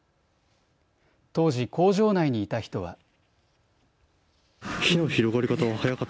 当時工場内にいた人は。